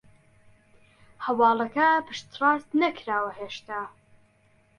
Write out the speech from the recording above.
هەواڵەکە پشتڕاست نەکراوە هێشتا